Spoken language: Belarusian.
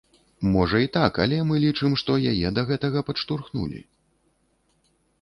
Можа і так, але мы лічым, што яе да гэтага падштурхнулі.